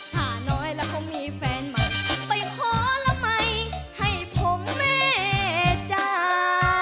ถ้าน้อยแล้วเขามีแฟนใหม่ไปขอละไหมให้ผมแม่จ้า